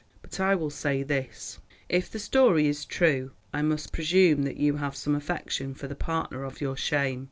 But I will say this: if the story is true, I must presume that you have some affection for the partner of your shame.